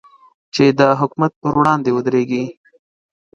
چې د حکومت پر وړاندې ودرېږي.